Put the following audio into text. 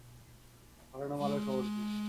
হারানো মালের খবর কী?